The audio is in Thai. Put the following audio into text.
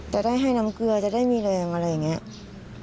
จะได้ให้น้ำเกลือจะได้มีแรงอะไรอย่างนี้